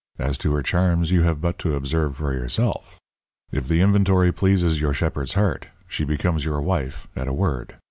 As to her charms, you have but to observe for yourself. If the inventory pleases your shepherd's heart, she becomes your wife at a word.